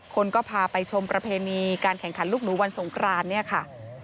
คนก็พาไปชมประเพณีการแข่งขันลูกหนูวันสงครานเนี่ยค่ะ